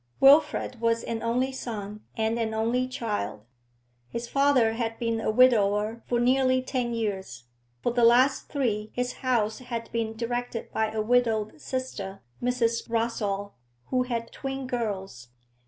Wilfrid was an only son and an only child. His father had been a widower for nearly ten years; for the last three his house had been directed by a widowed sister, Mrs. Rossall, who had twin girls.